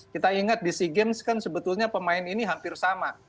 kita ingat di sea games kan sebetulnya pemain ini hampir sama